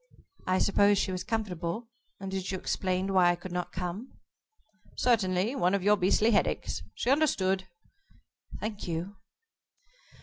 "I suppose she was comfortable, and that you explained why I could not come?" "Certainly. One of your beastly head aches. She understood." "Thank you."